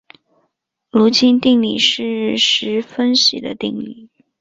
卢津定理是实分析的定理。